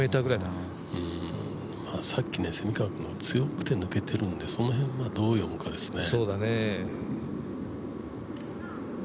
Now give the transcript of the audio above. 蝉川君さっき強くて抜けてるんでその辺をどう読むかですね。